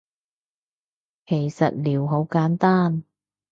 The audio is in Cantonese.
其實撩好簡單